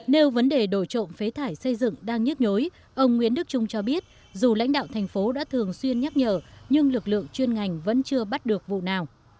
nếu vấn đề đổi trộm phế thải xây dựng đang nhức nhối ông nguyễn đức trung cho biết dù lãnh đạo thành phố đã thường xuyên nhắc nhở nhưng lực lượng chuyên ngành vẫn chưa bắt được vụ nào